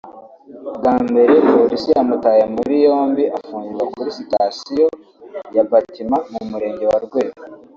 Bwa mbere Polisi yamutaye muri yombi afungirwa kuri sitasiyo ya Batima mu Murenge wa Rweru